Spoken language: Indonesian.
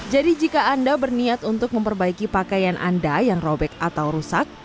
jadi jika anda berniat untuk memperbaiki pakaian anda yang robek atau rusak